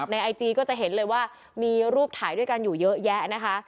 ไอจีก็จะเห็นเลยว่ามีรูปถ่ายด้วยกันอยู่เยอะแยะนะคะ